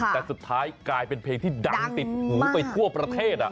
แต่สุดท้ายกลายเป็นเพลงที่ดังติดหูไปทั่วประเทศ